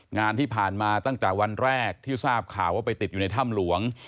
งานที่ผ่านมาตั้งแต่วันแรกที่ทราบข่าวว่าไปติดอยู่ในถ้ำหลวง